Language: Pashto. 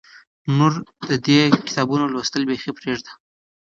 نور د دې کتابونو لوستل بیخي پرېږده.